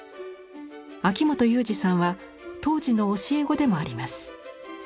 秋元雄史さんは当時の教え子でもあります。